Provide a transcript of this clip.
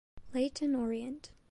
Leyton Orient